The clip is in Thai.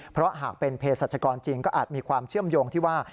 เพราะหากเป็นเพศรัชกรจริงก็อาจมีความเชื่อมโยงที่ว่า